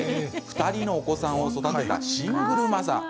２人のお子さんを育てたシングルマザー。